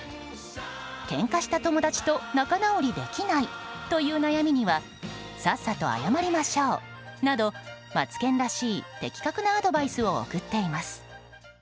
けんかした友達と仲直りできないという悩みにはさっさと謝りましょうなどマツケンらしい的確なアドバイスを送っています。